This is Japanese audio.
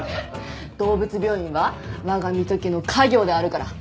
動物病院は我が三戸家の家業であるから。